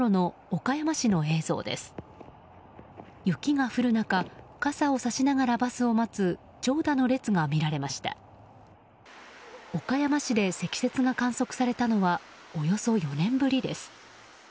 岡山市で積雪が観測されたのはおよそ４年ぶりです。